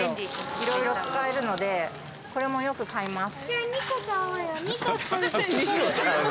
いろいろ使えるのでこれもよく買います。